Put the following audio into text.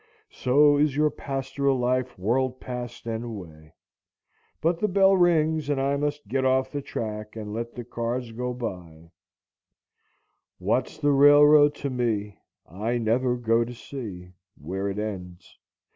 So is your pastoral life whirled past and away. But the bell rings, and I must get off the track and let the cars go by;— What's the railroad to me? I never go to see Where it ends.